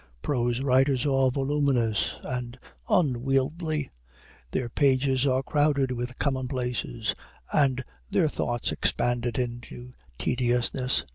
Prose writers are voluminous and unwieldy; their pages are crowded with commonplaces, and their thoughts expanded into tediousness.